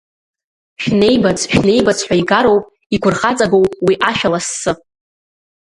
Шәнеибац, шәнеибац ҳәа игароуп, игәырхаҵагоу уи ашәа лассы!